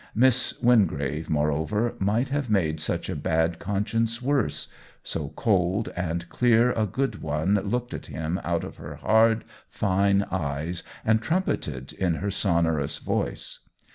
Miss Win grave, moreover, might have made such a bad conscience worse — so cold and clear a good one looked at him out of her hard, fine eyes, and trumpeted in her sonorous voice.